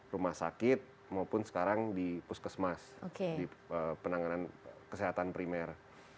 rumah sakit maupun sekarang di puskesmas di penanganan kesehatan primer